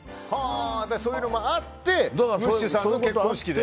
そういうのもあってムッシュさんの結婚式で。